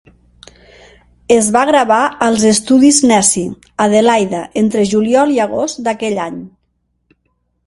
Es va gravar als estudis Nesci, Adelaida, entre juliol i agost d'aquell any.